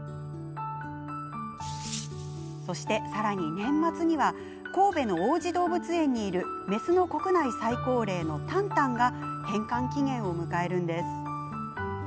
そして、さらに年末には神戸の王子動物園にいるメスの国内最高齢のタンタンが返還期限を迎えるんです。